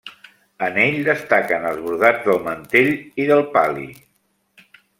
En ell destaquen els brodats del mantell i del pal·li.